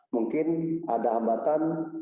mungkin ada hambatan